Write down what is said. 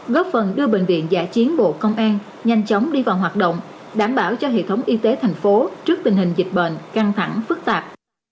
góp phần đưa bệnh viện giả chiến bộ công an nhanh chóng đi vào hoạt động đảm bảo cho hệ thống y tế thành phố trước tình hình dịch bệnh căng thẳng phức tạp